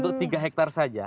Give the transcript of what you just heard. untuk tiga hektar saja